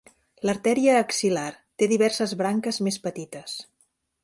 L'artèria axil·lar té diverses branques més petites.